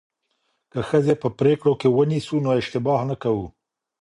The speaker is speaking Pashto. که ښځې په پریکړو کې ونیسو نو اشتباه نه کوو.